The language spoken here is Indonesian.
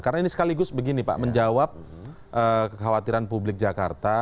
karena ini sekaligus begini pak menjawab kekhawatiran publik jakarta